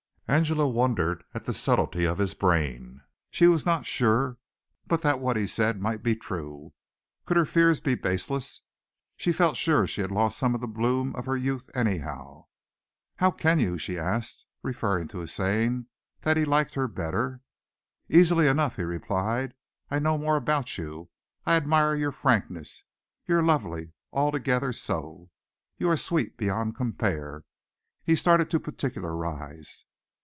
Angela wondered at the subtlety of his brain. She was not sure but that what he said might be true. Could her fears be baseless? She felt sure she had lost some of the bloom of her youth anyhow. "How can you?" she asked, referring to his saying that he liked her better. "Easily enough," he replied. "I know more about you. I admire your frankness. You're lovely altogether so. You are sweet beyond compare." He started to particularize.